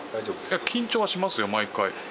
いや緊張はしますよ毎回。